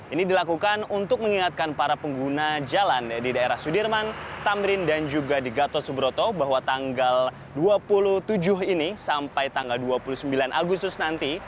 ini dilakukan untuk mengingatkan para pengguna jalan di daerah sudirman tamrin dan juga di gatot subroto bahwa tanggal dua puluh tujuh ini sampai tanggal dua puluh sembilan agustus nanti